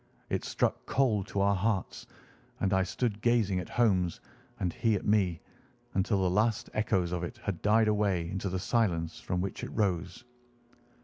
It struck cold to our hearts, and I stood gazing at Holmes, and he at me, until the last echoes of it had died away into the silence from which it rose.